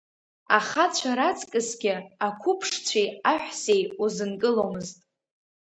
Ахацәа раҵкысгьы ақәыԥшцәеи аҳәсеи узынкыломызт.